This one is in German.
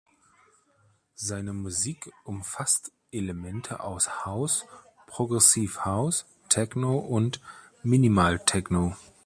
Seine Musik umfasst Elemente aus House, Progressive House, Techno und Minimal Techno.